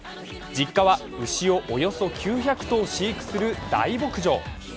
実家は、牛をおよそ９００頭飼育する大牧場。